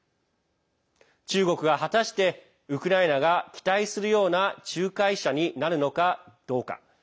中国が果たしてウクライナが期待するような仲介者になるのかどうか。